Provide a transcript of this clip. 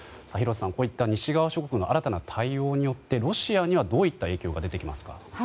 廣瀬さん、西側諸国の新たな対応によってロシアにはどういった影響が出てきますか？